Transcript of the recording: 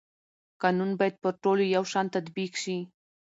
قانون باید پر ټولو یو شان تطبیق شي